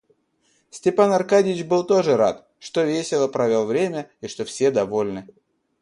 Степан Аркадьич был тоже рад, что весело провел время и что все довольны.